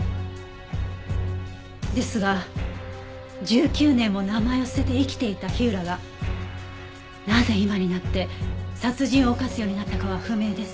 ですが１９年も名前を捨てて生きていた火浦がなぜ今になって殺人を犯すようになったかは不明です。